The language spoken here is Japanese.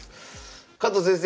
加藤先生